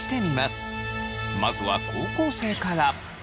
まずは高校生から。